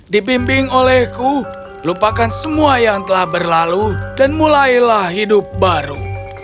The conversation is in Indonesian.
dibimbing olehku lupakan semua yang telah berlalu dan mulailah hidup baru